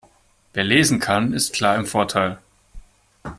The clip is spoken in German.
Wer lesen kann, ist klar im Vorteil.